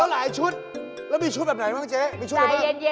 แล้วมีชุดแบบไหนบ้างเจ๊